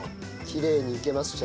きれいにいけましたよ。